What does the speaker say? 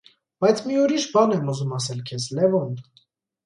Բայց մի ուրիշ բան եմ ուզում ասել քեզ, Լևոն: